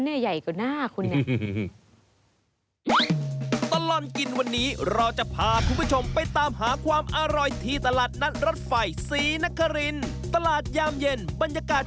เดี๋ยวไปดูกันหน่อยครับ